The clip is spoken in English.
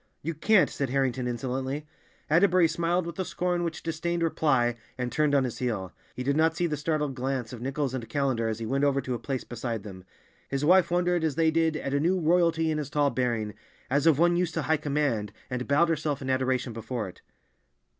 "You can't," said Harrington insolently. Atterbury smiled with the scorn which disdained reply, and turned on his heel. He did not see the startled glance of Nichols and Callender as he went over to a place beside them. His wife wondered, as they did, at a new royalty in his tall bearing, as of one used to high command, and bowed herself in adoration before it.